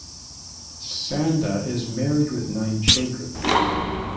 Sanda is married with nine children.